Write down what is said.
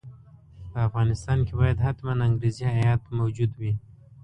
په افغانستان کې باید حتماً انګریزي هیات موجود وي.